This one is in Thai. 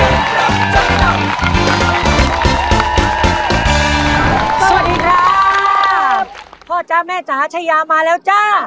สวัสดีครับพ่อจ๊ะแม่จ๋าชายามาแล้วจ้า